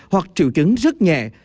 hoặc triệu chứng rất nhẹ